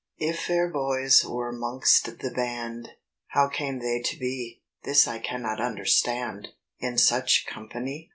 If fair boys were 'mongst the band, How came they to be This I cannot understand, In such company?